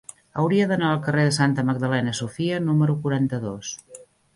Hauria d'anar al carrer de Santa Magdalena Sofia número quaranta-dos.